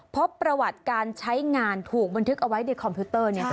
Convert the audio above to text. พบประวัติการใช้งานถูกบันทึกเอาไว้ในคอมพิวเตอร์